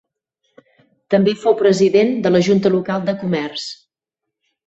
També fou president de la junta local de comerç.